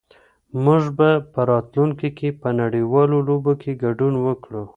موږ به په راتلونکي کې په نړيوالو لوبو کې ګډون وکړو.